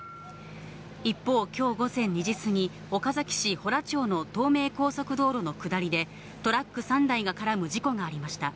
一方、きょう午前２時過ぎ、岡崎市洞町の東名高速道路の下りで、トラック３台が絡む事故がありました。